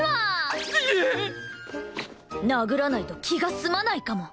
殴らないと気が済まないかも。